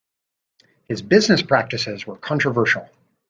His business practices were controversial.